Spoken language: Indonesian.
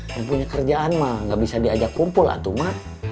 yang punya kerjaan mah gak bisa diajak kumpul atau mah